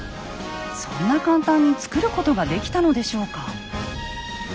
そんな簡単につくることができたのでしょうか？